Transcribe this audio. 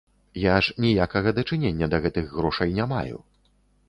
Я ж ніякага дачынення да гэтых грошай не маю.